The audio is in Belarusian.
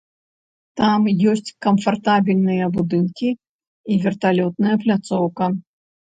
Там ёсць камфартабельныя будынкі і верталётная пляцоўка.